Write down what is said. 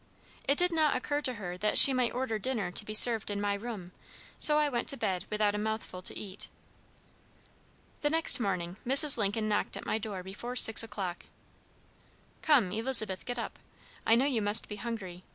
It did not occur to her that she might order dinner to be served in my room, so I went to bed without a mouthful to eat. The next morning Mrs. Lincoln knocked at my door before six o'clock: "Come, Elizabeth, get up, I know you must be hungry.